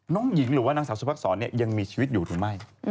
น้องหญิงหรือว่านางสาวสุภักษรยังมีชีวิตอยู่หรือไม่